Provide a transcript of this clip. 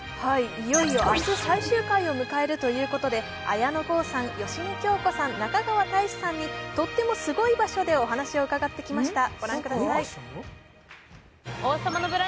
いよいよ明日、最終回を迎えるということで綾野剛さん、芳根京子さん、中川大志さんにとってもすごい場所でお話を伺ってきました。